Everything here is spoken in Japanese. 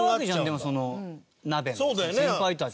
でもそのナベの先輩たち。